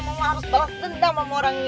mama harus balas dendam sama orang ini